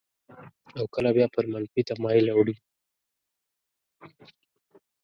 او کله بیا پر منفي تمایل اوړي.